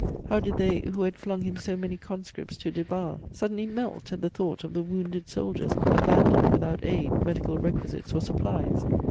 How did they, who had flung him so many conscripts to devour, suddenly melt at the thought of the wounded soldiers "abandoned without aid, medical requisites, or supplies"?